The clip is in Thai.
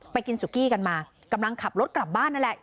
กินสุกี้กันมากำลังขับรถกลับบ้านนั่นแหละ